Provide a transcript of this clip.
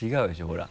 ほら。